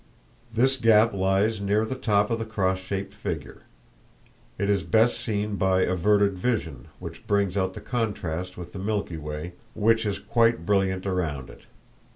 This gap lies near the top of the cross shaped figure. It is best seen by averted vision, which brings out the contrast with the Milky Way, which is quite brilliant around it.